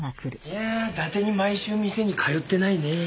いやあだてに毎週店に通ってないね。